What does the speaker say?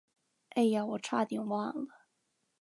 哎呀，我差点忘了。